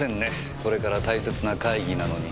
これから大切な会議なのに。